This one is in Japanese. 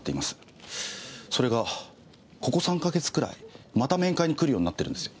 それがここ３か月くらいまた面会に来るようになってるんですよ。